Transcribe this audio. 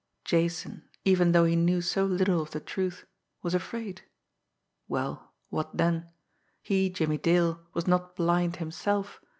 Jason even though he knew so little of the truth was afraid. Well, what then? He, Jimmie Dale, was not blind himself!